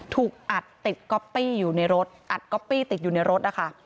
ถูกอัดติดก๊อปปี้อยู่ในรถอัดก๊อปปี้ติดอยู่ในรถนะคะ